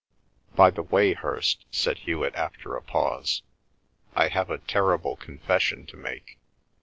"By the way, Hirst," said Hewet, after a pause, "I have a terrible confession to make.